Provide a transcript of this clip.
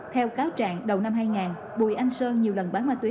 theo cáo trạng đầu năm hai nghìn bùi anh sơn nhiều lần bán ma túy